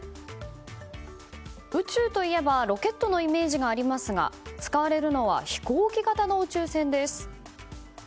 宇宙といえばロケットのイメージがありますが使われるのは飛行機型の宇宙船です。